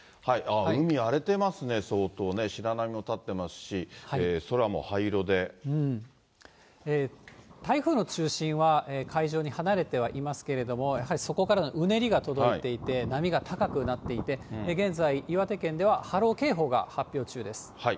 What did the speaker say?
海、荒れていますね、相当ね、白波も立っていますし、台風の中心は、海上に離れてはいますけれども、やはりそこからのうねりが届いていて、波が高くなっていて、現在、岩手県では波浪警報が発表中です。